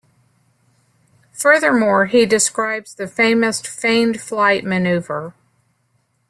Furthermore, he describes the famous 'feigned flight' manoeuvre.